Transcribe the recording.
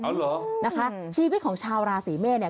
เอาเหรออืมนะคะชีวิตของชาวราศรีเมฆ